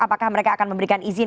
apakah mereka akan memberikan izin